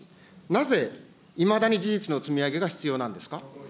なぜ、いまだに事実の積み上げが必要なんですか。